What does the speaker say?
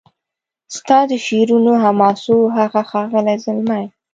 ستا د شعرونو حماسو هغه ښاغلی زلمی